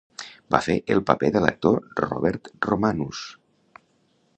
Va fer el paper l'actor Robert Romanus.